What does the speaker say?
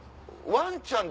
ワンちゃん。